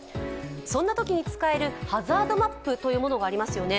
そんなときに使えるハザードマップというものがありますよね。